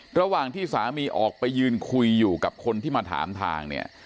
ระหว่างที่สามีออกไปยืนคุยอยู่กับคนที่มาถามทางเนี่ย